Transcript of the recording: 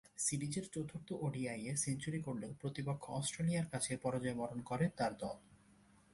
সিরিজের চতুর্থ ওডিআইয়ে সেঞ্চুরি করলেও প্রতিপক্ষ অস্ট্রেলিয়ার কাছে পরাজয়বরণ করে তার দল।